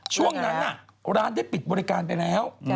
ช่วงนั้นร้านได้ปิดบริการไปแล้ว